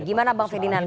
oke gimana bang ferdinand